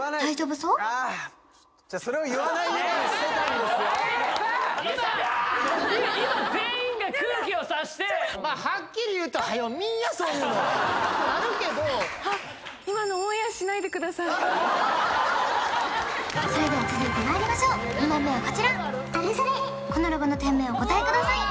そういうのはってなるけどそれでは続いてまいりましょう２問目はこちらこのロゴの店名をお答えください